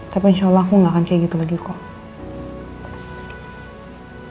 tapi insya allah aku gak akan kayak gitu lagi kok